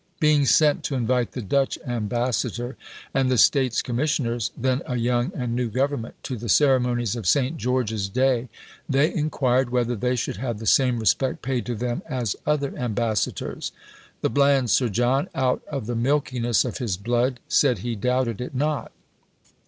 Being sent to invite the Dutch ambassador and the States' commissioners, then a young and new government, to the ceremonies of St. George's day, they inquired whether they should have the same respect paid to them as other ambassadors? The bland Sir John, out of the milkiness of his blood, said he doubted it not.